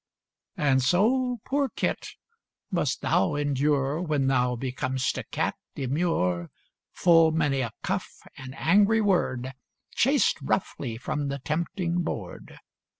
And so, poor kit! must thou endure, When thou becom'st a cat demure, Full many a cuff and angry word, Chased roughly from the tempting board.